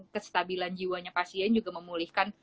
kestabilan jiwanya pasien juga memulihkan